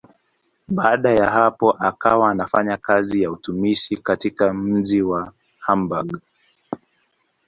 Baada ya hapo akawa anafanya kazi ya utumishi katika mji wa Hamburg.